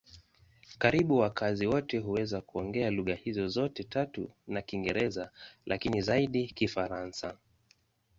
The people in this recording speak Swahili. Karibu wakazi wote huweza kuongea lugha hizo zote tatu na Kiingereza, lakini zaidi Kifaransa.